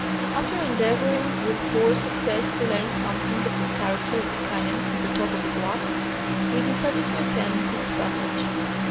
After endeavoring with poor success to learn something of the character of the canyon from the top of the l)luffs, we decided to attempt its passage.